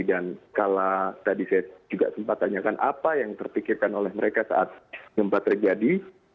dan kalau tadi saya juga sempat tanyakan apa yang terpikirkan oleh mereka saat gempa terjadi